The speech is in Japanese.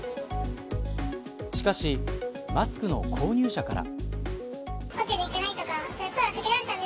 しかし、マスクの購入者から。